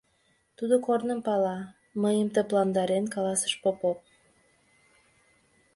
— Тудо корным пала, — мыйым тыпландарен каласыш Попов.